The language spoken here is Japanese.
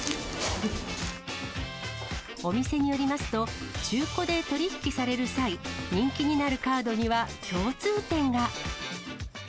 お店によると、中古で取り引きされる際、人気になるカードには共通点が。